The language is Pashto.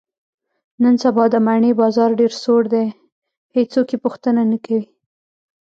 نن سبا د مڼې بازار ډېر سوړ دی، هېڅوک یې پوښتنه نه کوي.